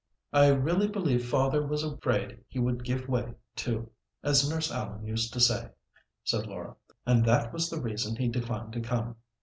"I really believe father was afraid he would 'give way' too, as Nurse Allen used to say," said Laura, "and that was the reason he declined to come.